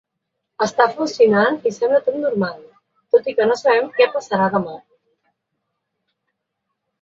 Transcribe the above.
“Està funcionant i sembla tot normal, tot i que no sabem que passarà demà”.